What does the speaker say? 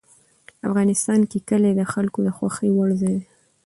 افغانستان کې کلي د خلکو د خوښې وړ ځای دی.